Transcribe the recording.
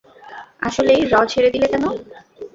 আসলেই, র ছেড়ে দিলে কেন?